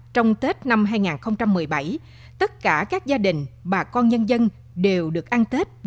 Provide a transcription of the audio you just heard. trong đó có những bà con lần đầu được ăn tết